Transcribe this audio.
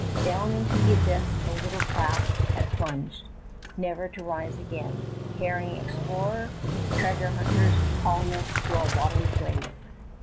Down into the abyss the little craft had plunged, never to rise again, carrying explorer, treasure hunters, colonists, to a watery grave.